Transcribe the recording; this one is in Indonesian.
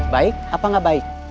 baik apa gak baik